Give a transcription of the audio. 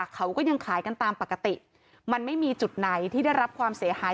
เขาก็ยังขายกันตามปกติมันไม่มีจุดไหนที่ได้รับความเสียหาย